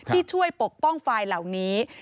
ที่ช่วยปกป้องไฟล์เหล่านี้